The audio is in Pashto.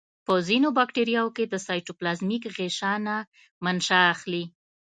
په ځینو باکتریاوو کې د سایتوپلازمیک غشا نه منشأ اخلي.